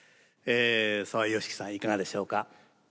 澤芳樹さんはいかがでしょうか？